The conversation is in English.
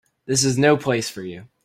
This is no place for you.